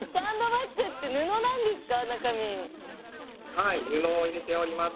はい布を入れております。